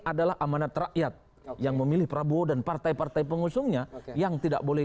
adalah amanat rakyat yang memilih prabowo dan partai partai pengusungnya yang tidak boleh